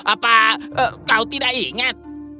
apa kau tidak ingat